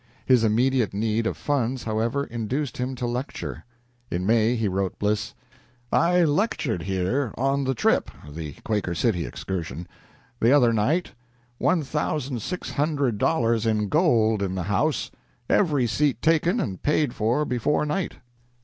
His immediate need of funds, however, induced him to lecture. In May he wrote Bliss: "I lectured here on the trip (the Quaker City excursion) the other night; $1,600 in gold in the house; every seat taken and paid for before night."